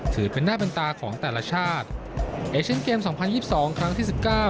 ถือเป็นหน้าเป็นตาของแต่ละชาติเอเชียนเกมสองพันยี่สิบสองครั้งที่สิบเก้า